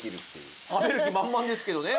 食べる気満々ですけどね